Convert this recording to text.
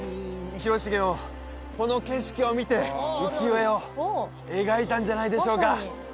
広重もこの景色を見て浮世絵を描いたんじゃないでしょうか